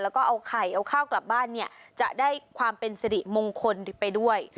แล้วก็เอาไข่เอาข้าวกลับบ้านเนี่ยจะได้ความเป็นสิริมงคลไปด้วย